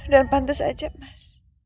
dan pantes aja mas